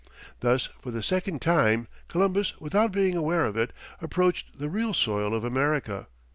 Thus, for the second time Columbus, without being aware of it, approached the real soil of America.